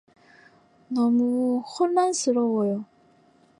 너무 혼란스러워요.